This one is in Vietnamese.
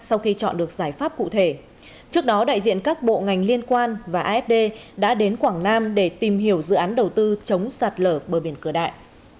afd đã tìm hiểu dự án đầu tư chống sạt lở bờ biển cửa đại